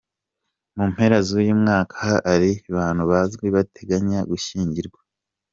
Mu mpera z’uyu mwaka ari mu bantu bazwi bateganya gushyingirwa.